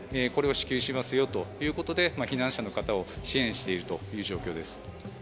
これを支給しますよということで避難者の方を支援している状況です。